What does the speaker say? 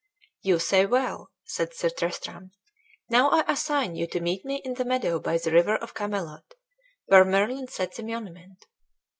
"You say well, "said Sir Tristram; "now I assign you to meet me in the meadow by the river of Camelot, where Merlin set the monument."